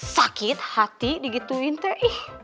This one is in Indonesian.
sakit hati digituin teh